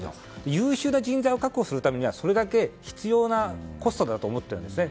優秀な人材を確保するためにはそれだけ必要なコストだと思っているんですね。